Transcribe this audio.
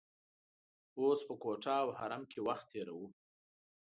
اوس په کوټه او حرم کې وخت تیروو.